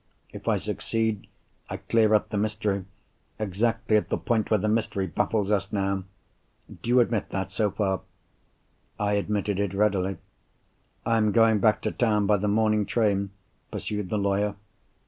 If I succeed, I clear up the mystery, exactly at the point where the mystery baffles us now! Do you admit that, so far?" I admitted it readily. "I am going back to town by the morning train," pursued the lawyer.